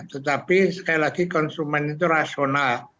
tetapi sekali lagi konsumen itu rasional